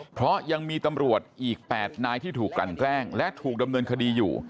เพราะยังมีตำรวจอีก๘นายที่ถูกกลั่นแกล้งและถูกดำเนินคดีอยู่